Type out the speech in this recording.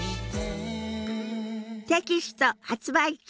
テキスト発売中。